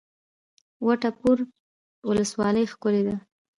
د وټه پور ولسوالۍ ښکلې ده